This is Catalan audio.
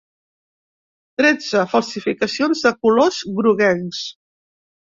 Tretze falsificacions de colors groguencs.